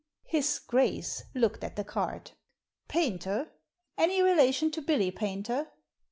" His Grace" looked at the card. " Paynter ? Any relation to Billy Paynter